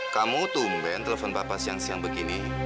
kamu tumben telepon bapak siang siang begini